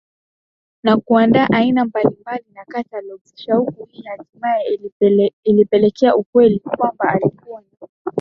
na kuandaa aina mbalimbali na catalogs shauku Hii hatimaye ilipelekea ukweli kwamba alikuwa na